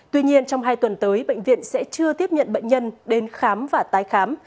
tuy nhiên trong hai tuần tới bệnh viện sẽ chưa tiếp nhận bệnh nhân đến khám và tái khám